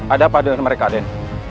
ada apa dengan mereka aden